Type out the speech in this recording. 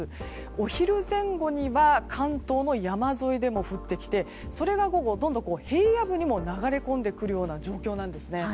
お昼前後には関東の山沿いでも降ってきてそれが、どんどん平野部にも流れ込んでくる状況なんですね。